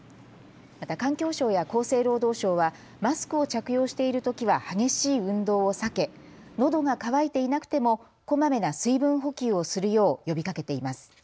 また環境省や厚生労働省は、マスクを着用しているときは激しい運動を避けのどが渇いていなくてもこまめな水分補給をするよう呼びかけています。